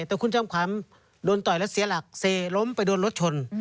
แต่คุณจอมขวัญโดนต่อยแล้วเสียหลักเซล้มไปโดนรถชน